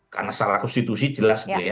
karena salah konstitusi jelas juga ya